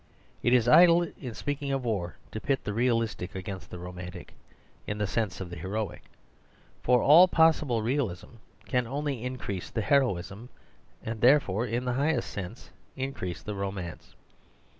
It is idle, in speak ing of war, to pit the realistic against the ro mantic, in the sense of the heroic ; for all pos sible realism can only increase the heroism; and therefore, in the highest sense, increase the romance.